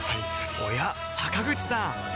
おや坂口さん